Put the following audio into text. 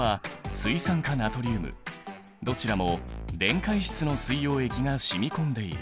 どちらも電解質の水溶液が染み込んでいる。